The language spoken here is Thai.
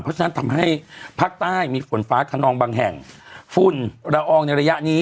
เพราะฉะนั้นทำให้ภาคใต้มีฝนฟ้าขนองบางแห่งฝุ่นละอองในระยะนี้